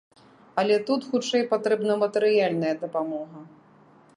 Але тут хутчэй патрэбна матэрыяльная дапамога.